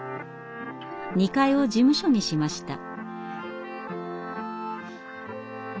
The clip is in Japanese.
２階を事務所にしました。